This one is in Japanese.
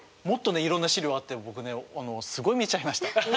もっとねいろんな資料あって僕ねすごい見ちゃいました。